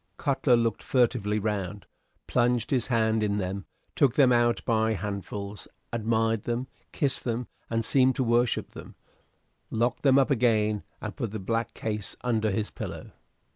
Cutler looked furtively round, plunged his hands in them, took them out by handfuls, admired them, kissed them, and seemed to worship them, locked them up again, and put the black case under his pillow.